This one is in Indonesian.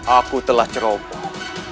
aku telah ceroboh